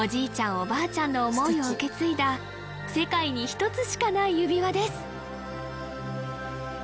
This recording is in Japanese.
おばあちゃんの思いを受け継いだ世界に一つしかない指輪です！